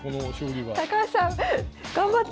高橋さん頑張って。